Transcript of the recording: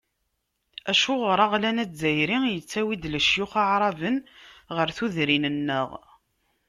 Acuɣer aɣlan azzayri yettawi-d lecyux aɛraben ɣer tudrin-nneɣ?